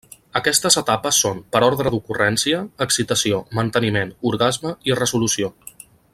Aquestes etapes són, per ordre d'ocurrència, excitació, manteniment, orgasme i resolució.